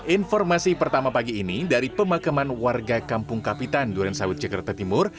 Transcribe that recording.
informasi pertama pagi ini dari pemakaman warga kampung kapitan durensawit jakarta timur